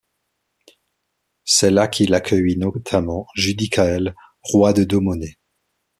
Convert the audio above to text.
C'est là qu'il accueillit notamment Judicaël, roi de Domnonée.